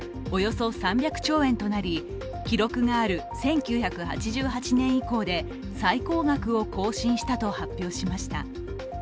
およそ３００兆円となり、記録がある１９８８年以降で最高額を更新したと発表しました。